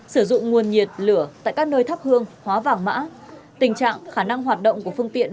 sử dụng nguồn nhiệt lửa tại các nơi thắp hương hóa vàng mã tình trạng khả năng hoạt động của phương tiện